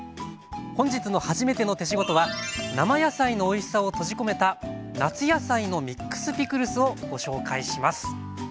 本日の「はじめての手仕事」は生野菜のおいしさを閉じ込めた夏野菜のミックスピクルスをご紹介します。